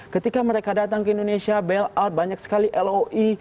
ketika mereka datang ke indonesia bailout banyak sekali loi